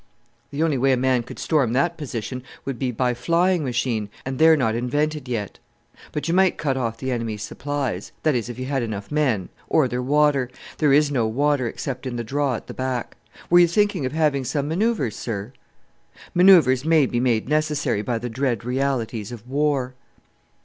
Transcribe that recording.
"The only way a man could storm that position would be by flying machine and they're not invented yet. But you might cut off the enemy's supplies that is, if you had enough men or their water there is no water except in the draw at the back. Were you thinking of having some manoeuvres, sir?" "Manoeuvres may be made necessary by the dread realities of war."